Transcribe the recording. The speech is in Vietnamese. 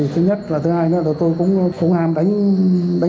thứ nhất là thứ hai nữa là tôi cũng ham đánh số đề